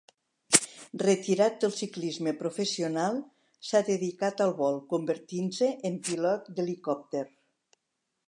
Retirat del ciclisme professional, s'ha dedicat al vol, convertint-se en pilot d'helicòpter.